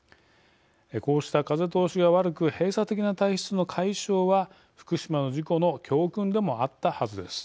こうした風通しが悪く閉鎖的な体質の解消は福島の事故の教訓でもあったはずです。